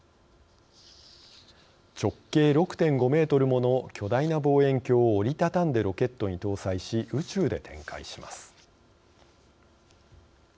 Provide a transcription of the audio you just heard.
直径６．５メートルもの巨大な望遠鏡を折り畳んでロケットに搭載し宇宙で展開します。